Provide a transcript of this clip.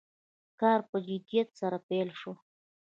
کار په جدیت سره پیل شو.